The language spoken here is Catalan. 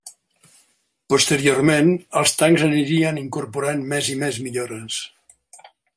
Posteriorment els tancs anirien incorporant més i més millores.